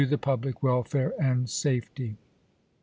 ^, public welfare and safety."